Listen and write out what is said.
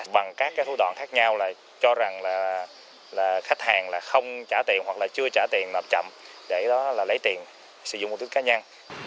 bằng các thủ đoạn khác nhau là cho rằng là khách hàng là không trả tiền hoặc là chưa trả tiền làm chậm để đó là lấy tiền sử dụng công thức cá nhân